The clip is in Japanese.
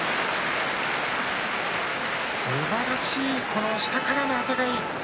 すばらしい下からのあてがい。